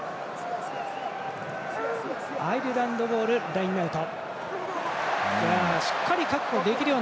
アイルランドボールラインアウト。